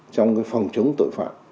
trong cái phòng chống tội phạm